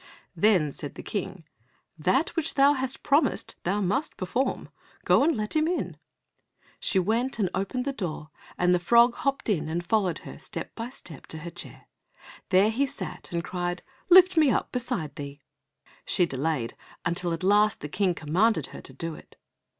Then said the King, "That which thou hast promised must thou perform. Go and let him in." She went and opened the door, and the frog hopped in and followed her, step by step, to her chair. There he sat and cried, "Lift me up beside thee." She delayed, until at last the King commanded her to do it.